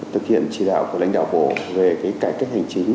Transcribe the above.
thực hiện chỉ đạo của lãnh đạo bộ về cải cách hành chính